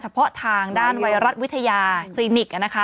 เพาะทางด้านไวรัสวิทยาคลินิก